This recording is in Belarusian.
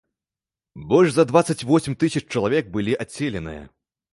Больш за дваццаць восем тысяч чалавек былі адселеныя.